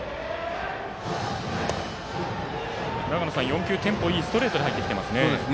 ４球、テンポのいいストレートで入ってきてますね。